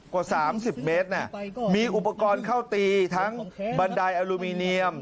กว่า๓๐เมตรมีอุปกรณ์เข้าตีทั้งบันไดอลูมิเนียม